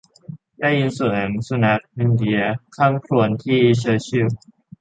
ได้ยินเสียงสุนัขอินเดียคร่ำครวญที่เชอร์ชิลล์